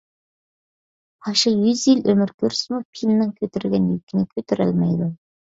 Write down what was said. پاشا يۈز يىل ئۆمۈر كۆرسىمۇ، پىلنىڭ كۆتۈرگەن يۈكىنى كۆتۈرەلمەيدۇ.